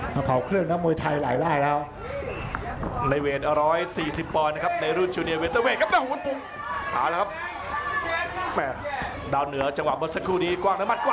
เผาเครื่องนะมวยไทยหลายแล้ว